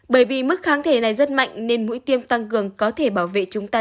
bởi vì mức kháng thể này rất mạnh nên mũi tiêm tăng cường có thể bảo vệ chúng ta